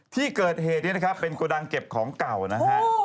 ที่เกิดเหตุนี้นะครับเป็นโกดังเก็บของเก่านะฮะ